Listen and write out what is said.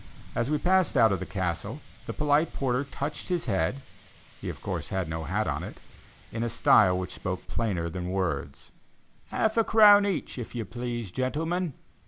As we passed out of the Castle, the polite porter touched his head (he of course had no hat on it) in a style which spoke plainer than words, "Half a crown each, if you please, gentlemen."